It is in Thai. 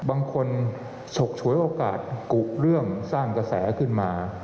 บางคนฉกฉวยโอกาสกุเรื่องสร้างกระแสขึ้นมา